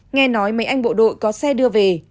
nghe nói mấy anh bộ đội có xe đưa về